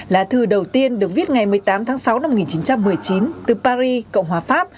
là thư đầu tiên được viết ngày một mươi tám tháng sáu năm một nghìn chín trăm một mươi chín từ paris cộng hòa pháp